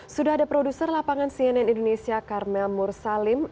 sudah ada produser lapangan cnn indonesia karmel mursalim